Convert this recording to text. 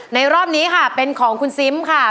รอบนี้ค่ะเป็นของคุณซิมค่ะ